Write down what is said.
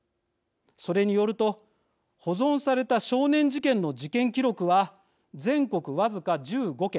それによると、保存された少年事件の事件記録は全国、僅か１５件。